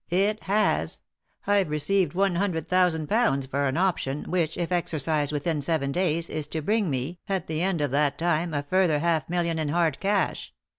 "It has. I've received one hundred thousand pounds for an option, which, if exercised within seven days, is to bring me, at the end of that time, a further half million in hard cash.